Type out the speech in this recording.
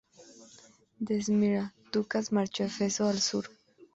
De Esmirna, Ducas marchó a Éfeso, al sur.